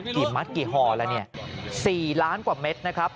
มัดกี่ห่อแล้วเนี่ย๔ล้านกว่าเม็ดนะครับ